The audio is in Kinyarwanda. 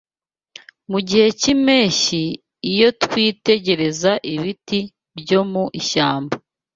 Mu gihe cy’impeshyi, iyo twitegereza ibiti byo mu ishyamba